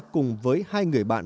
cùng với hai người bạn